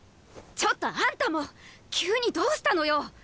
ちょっとあんたも急にどうしたのよ？